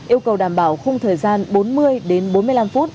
yêu cầu đảm bảo khung thời gian bốn mươi đến bốn mươi năm phút